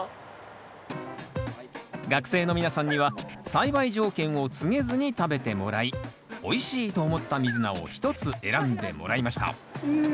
学生の皆さんには栽培条件を告げずに食べてもらいおいしいと思ったミズナを１つ選んでもらいましたうん。